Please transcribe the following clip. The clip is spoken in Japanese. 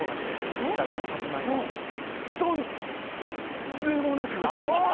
実はこのさつまいもとんっでもなく甘いんです。